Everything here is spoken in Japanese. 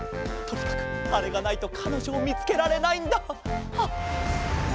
とにかくあれがないとかのじょをみつけられないんだ！